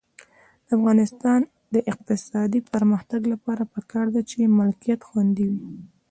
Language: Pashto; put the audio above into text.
د افغانستان د اقتصادي پرمختګ لپاره پکار ده چې ملکیت خوندي وي.